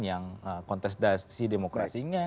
yang kontes dasi demokrasinya